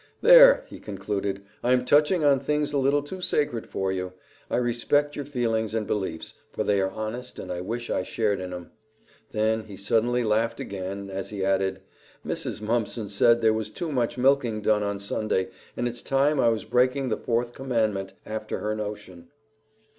"There!" he concluded, "I'm touching on things a little too sacred for you. I respect your feelings and beliefs, for they are honest and I wish I shared in 'em." Then he suddenly laughed again as he added, "Mrs. Mumpson said there was too much milking done on Sunday, and it's time I was breaking the Fourth Commandment, after her notion."